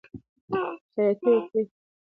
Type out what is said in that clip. خیاطی وکړئ.